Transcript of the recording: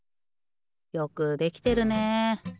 よくできてるね。